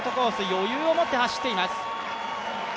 余裕を持って走っています。